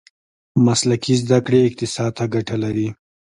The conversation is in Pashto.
مسلکي زده کړې اقتصاد ته ګټه لري.